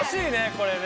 これね。